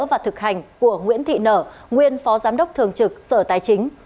và thực hành của nguyễn thị nở nguyên phó giám đốc thường trực sở tài chính